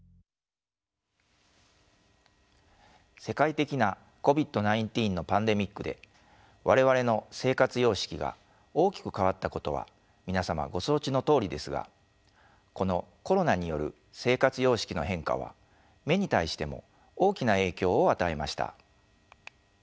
世界的なＣＯＶＩＤ−１９のパンデミックで我々の生活様式が大きく変わったことは皆様ご承知のとおりですがこのコロナによる生活様式の変化は目に対しても大きな影響を与えました。